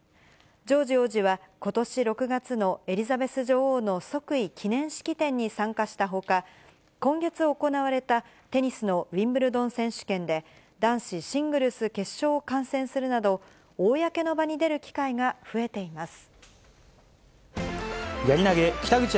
ジョージ王子は、ことし６月のエリザベス女王の即位記念式典に参加したほか、今月行われたテニスのウィンブルドン選手権で、男子シングルス決勝を観戦するなど、公の場に出る機会が増えています。